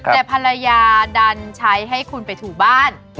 แต่ภรรยาดันใช้ให้คุณไปถูบ้าน